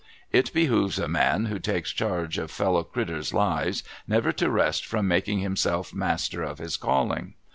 It behooves a man who takes charge of fellow critturs' lives, never to rest from making himself master of his calling.